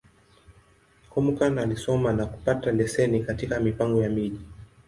Kúmókụn alisomea, na kupata leseni katika Mipango ya Miji.